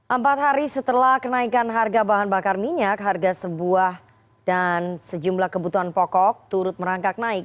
empat hari setelah kenaikan harga bahan bakar minyak harga sebuah dan sejumlah kebutuhan pokok turut merangkak naik